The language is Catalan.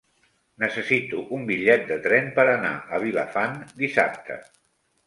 Necessito un bitllet de tren per anar a Vilafant dissabte.